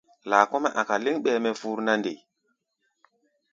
Laa kɔ́-mɛ́ a̧ka̧ léŋ, ɓɛɛ mɛ fur na nde?